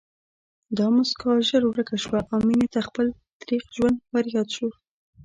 دا مسکا ژر ورکه شوه او مينې ته خپل تريخ ژوند ورياد شو